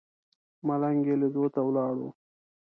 ملنګ یې لیدو ته ولاړ و.